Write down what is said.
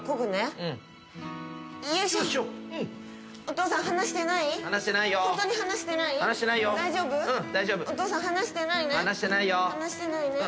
お父さん離してないね。